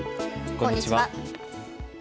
こんにちは。